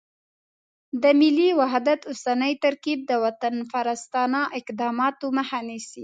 د ملي وحدت اوسنی ترکیب د وطنپرستانه اقداماتو مخه نیسي.